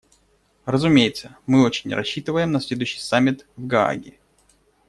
Разумеется, мы очень рассчитываем на следующий саммит − в Гааге.